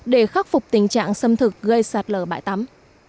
để khắc phục tình trạng xâm thực gây sạt lở bãi tắm